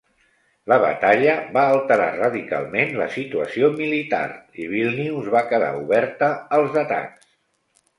La batalla va alterar radicalment la situació militar i Vílnius va quedar oberta als atacs.